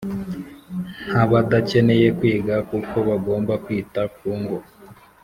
nk’abadakeneye kwiga, kuko bagomba kwita ku ngo